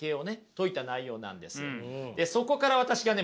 そこから私がね